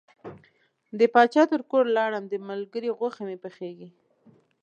د پاچا تر کوره لاړم د ملګري غوښه مې پخیږي.